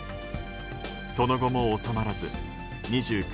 その後も収まらず、２９日